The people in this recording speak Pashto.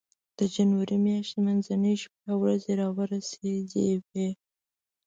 د جنوري میاشتې منځنۍ شپې او ورځې را ورسېدې وې.